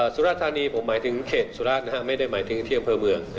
สุรทน์ธานีผมหมายถึงเขตสุรทน์นะครับไม่ได้หมายถึงเที่ยงเผลอเมือง